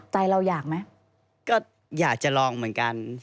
ใจเราอยากไหมก็อยากจะลองเหมือนกัน